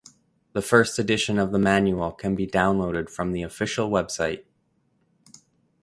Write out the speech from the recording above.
The first edition of the manual can be downloaded from the official website.